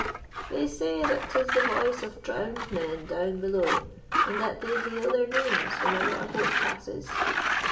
"They say that 'tis the voice of drowned men down below, and that they hail their names whenever a boat passes."